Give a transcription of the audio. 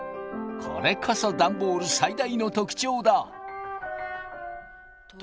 これこそダンボール最大の特徴だ。